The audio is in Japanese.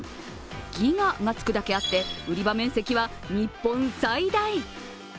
ギガがつくだけあって売り場面積は日本最大。